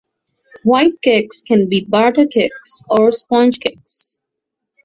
White cakes can be butter cakes or sponge cakes.